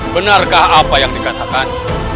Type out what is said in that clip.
benarkah apa yang dikatakan